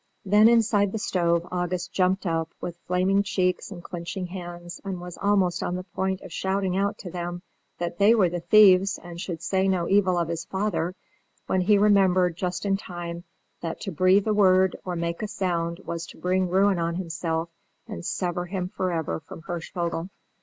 Then inside the stove August jumped up, with flaming cheeks and clinching hands, and was almost on the point of shouting out to them that they were the thieves and should say no evil of his father, when he remembered, just in time, that to breathe a word or make a sound was to bring ruin on himself and sever him forever from Hirschvogel.